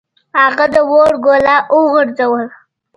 هغه د اور ګوله وغورځوله.